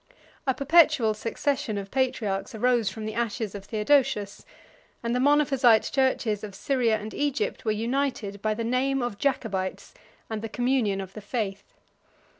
A perpetual succession of patriarchs arose from the ashes of Theodosius; and the Monophysite churches of Syria and Egypt were united by the name of Jacobites and the communion of the faith.